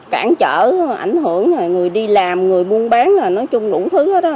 cản trở ảnh hưởng người đi làm người buôn bán là nói chung đủ thứ hết đó